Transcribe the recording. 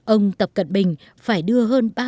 ông tập cận bình phải đưa hơn